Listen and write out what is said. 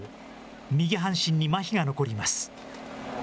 右半身にまひが残ります。